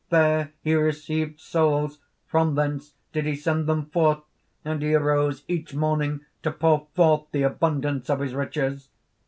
There he received souls, from thence did he send them forth; and he arose each morning to pour forth the abundance of his riches.